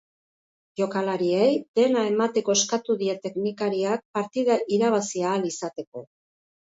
Jokalariei dena emateko eskatu die teknikariak partida irabazi ahal izateko.